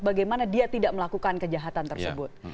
bagaimana dia tidak melakukan kejahatan tersebut